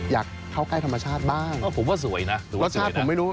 อยากเข้าใกล้ธรรมชาติบ้างผมว่าสวยนะรสชาติผมไม่รู้